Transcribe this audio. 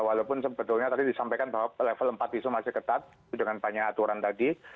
walaupun sebetulnya tadi disampaikan bahwa level empat isu masih ketat dengan banyak aturan tadi